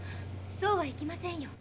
そうはいきませんよ。